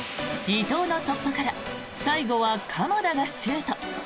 伊東の突破から最後は鎌田がシュート。